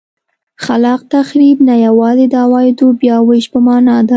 خلاق تخریب نه یوازې د عوایدو بیا وېش په معنا ده.